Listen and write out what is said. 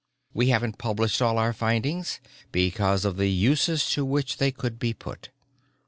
We haven't published all of our findings because of the uses to which they could be put.